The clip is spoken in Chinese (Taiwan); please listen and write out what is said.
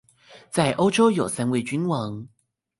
在歐洲有三位君王